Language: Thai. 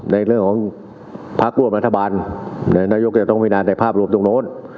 ในเรื่องของพักร่วมรัฐบาลนายกจะต้องพินาในภาพรวมตรงโน้น